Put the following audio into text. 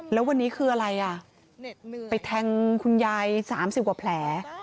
แล้ววันนี้คืออะไรอ่ะไปแทงคุณยาย๓๐กว่าแผล